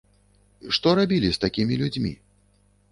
Што рабілі з такімі людзьмі?